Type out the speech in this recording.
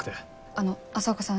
あの朝岡さん